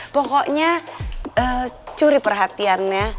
pokoknya curi perhatiannya